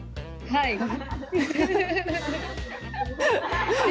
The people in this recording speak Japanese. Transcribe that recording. はい。